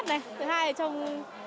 thứ hai là trong